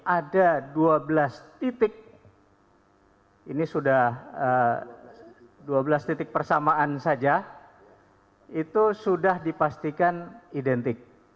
ada dua belas titik ini sudah dua belas titik persamaan saja itu sudah dipastikan identik